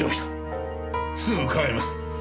すぐ伺います。